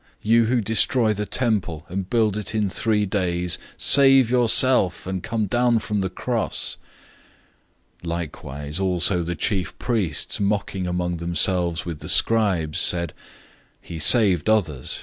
You who destroy the temple, and build it in three days, 015:030 save yourself, and come down from the cross!" 015:031 Likewise, also the chief priests mocking among themselves with the scribes said, "He saved others.